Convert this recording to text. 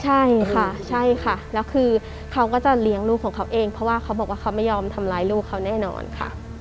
ใช่ค่ะใช่ค่ะแล้วคือเขาก็จะเลี้ยงลูกของเขาเองเพราะว่าเขาบอกว่าเขาไม่ยอมทำร้ายลูกเขาแน่นอนค่ะ